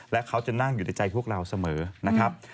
และเขาจะนั่งอยู่ในใจพวกเราเสมอนะครับ